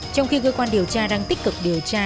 trong khi cơ quan điều tra đang tích cực điều tra